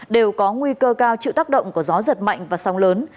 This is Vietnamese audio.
đều có nguy cơ cao chịu tác động của gió giật mạnh và sóng lớn